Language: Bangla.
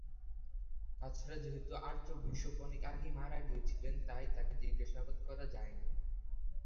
তাছাড়া যেহেতু আর্চবিশপ অনেক আগেই মারা গিয়েছিলেন, তাই তাকে জিজ্ঞাসাবাদ করা যায়নি।